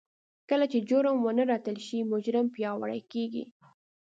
کله چې جرم ونه رټل شي مجرم پياوړی کېږي.